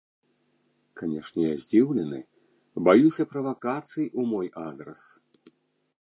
Канешне, я здзіўлены, баюся правакацый у мой адрас.